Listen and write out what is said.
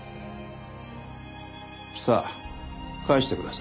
さあ返してください。